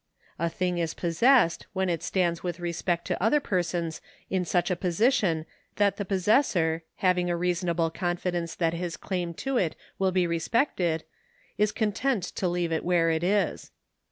A thing is possessed, when it stands with respect to other persons in such a position that the possessor, having a reasonable confidence that his claim to it will be respected, is content to leave it where it is.